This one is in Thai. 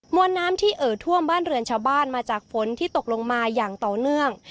วนน้ำที่เอ่อท่วมบ้านเรือนชาวบ้านมาจากฝนที่ตกลงมาอย่างต่อเนื่อง